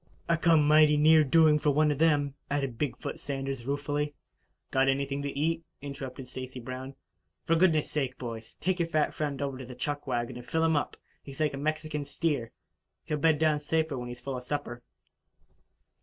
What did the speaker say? "I come mighty near doing for one of them," added Big foot Sanders ruefully. "Got anything to eat?" interrupted Stacy Brown. "For goodness' sake, boys, take your fat friend over to the chuck wagon and fill him up. He's like a Mexican steer he'll bed down safer when he's full of supper."